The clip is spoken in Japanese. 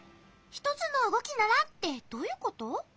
「ひとつのうごきなら」ってどういうこと？